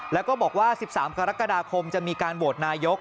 แล้วก็บอกว่า๑๓กรกฎาคมจะมีการโหวตนายก